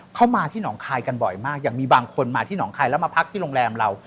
เข้ามาที่หนองคายกันบ่อยมากอย่างมีบางคนมาที่หนองคายแล้วมาพักที่โรงแรมเรา